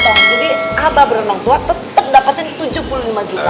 jadi abah berondong tua tetep dapatin tujuh puluh lima juta